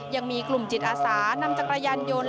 ยังมีกลุ่มจิตอาสานำจักรยานยนต์